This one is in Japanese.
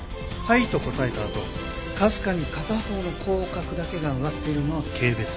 「はい」と答えたあとかすかに片方の口角だけが上がっているのは軽蔑。